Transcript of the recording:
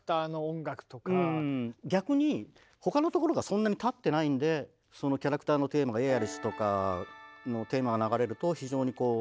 逆に他のところがそんなにたってないんでそのキャラクターのテーマがエアリスとかのテーマが流れると非常にこう。